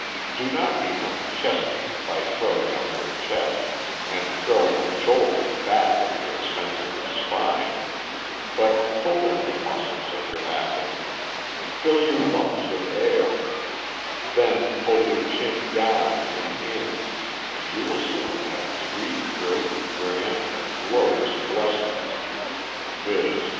Do not become "chesty" by throwing out your chest, and throwing your shoulders back at the expense of your spine, but pull in the muscles of your abdomen, fill your lungs with air, then pull your chin down and in, and you will soon have three great, grand, and glorious blessings; viz.